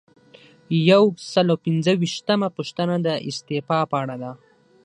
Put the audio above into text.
یو سل او پنځه ویشتمه پوښتنه د استعفا په اړه ده.